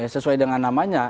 sesuai dengan namanya